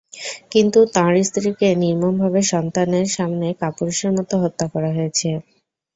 কিন্তু তাঁর স্ত্রীকে নির্মমভাবে সন্তানের সামনে কাপুরুষের মতো হত্যা করা হয়েছে।